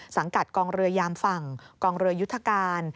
สังกัดกองเรือยามฝั่งกองเรือยุทธการ